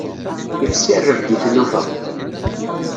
Ifsi rrebg i tlufa.